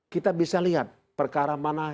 kita bisa lihat perkara mana